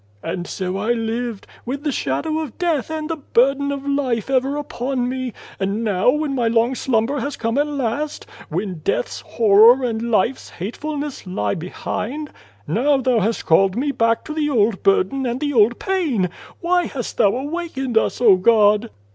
" And so I lived, with the shadow of death and the burden of life ever upon me ; and now when my long slumber has come at last when death's horror and life's hatefulness lie behind now Thou hast called me back to the old burden and the old pain. Why hast Thou awakened us, O God